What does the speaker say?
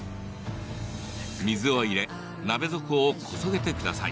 水を入れ鍋底をこそげてください。